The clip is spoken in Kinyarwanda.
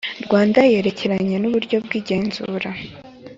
Rwanda yerekeranye n uburyo bw igenzura